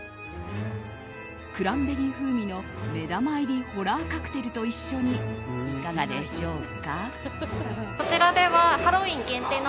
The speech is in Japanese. クランベリー風味の目玉入りホラーカクテルと一緒にいかがでしょうか？